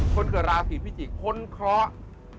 คนเกิดราศีพิจิกษ์พ้นเคราะห์